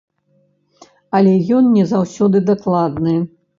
Але ён не заўсёды дакладны.